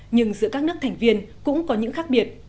nhưng giữa các nước thành viên cũng có những khác biệt